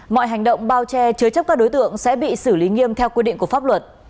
mọi hành động bao che chứa chấp các đối tượng sẽ bị xử lý nghiêm theo quy định của pháp luật